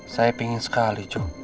saya pingin sekali jo